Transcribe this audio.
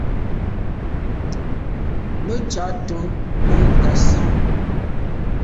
Me tsha’t’o me Ngasam.